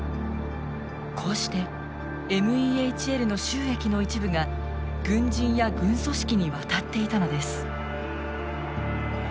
こうしてＭＥＨＬの収益の一部が軍人や軍組織に渡っていたのです。